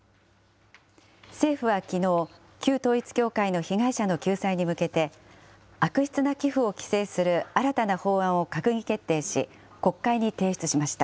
政府はきのう、旧統一教会の被害者の救済に向けて、悪質な寄付を規制する新たな法案を閣議決定し、国会に提出しました。